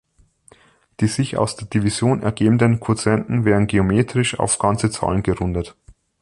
Die sich aus der Division ergebenden Quotienten werden geometrisch auf ganze Zahlen gerundet.